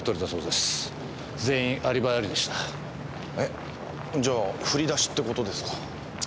えっ？じゃあ振り出しって事ですか。